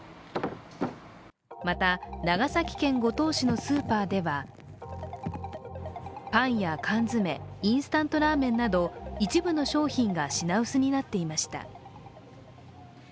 また、長崎県五島市のスーパーではパンや缶詰、インスタントラーメンなど一部の商品が品薄になっていました。